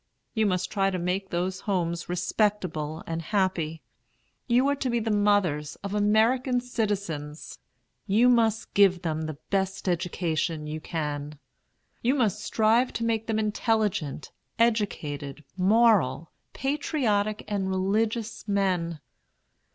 You must try to make those homes respectable and happy. You are to be the mothers of American citizens. You must give them the best education you can. You must strive to make them intelligent, educated, moral, patriotic, and religious men.